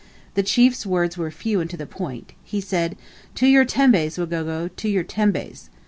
The chief's words were few, and to the point. He said, "To your tembes, Wagogo to your tembes!